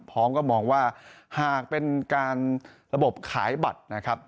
พร้อมก็มองว่าหากเป็นการระบบขายบัตรนะครับ